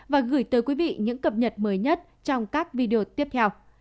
và gửi tới quý vị những cập nhật mới nhất trong các video tiếp theo